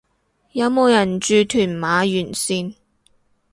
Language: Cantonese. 有冇人住屯馬沿線